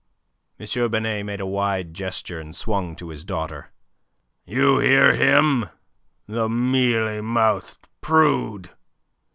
M. Binet made a wide gesture, and swung to his daughter. "You hear him, the mealy mouthed prude!